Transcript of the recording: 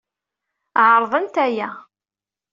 Ɛerḍent aya.